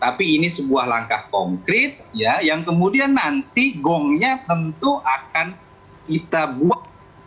tapi ini sebuah langkah konkret ya yang kemudian nanti gongnya tentu akan kita buat